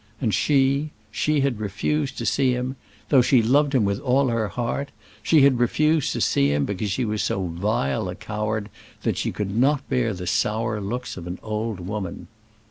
And she she had refused to see him, though she loved him with all her heart; she had refused to see him, because she was so vile a coward that she could not bear the sour looks of an old woman!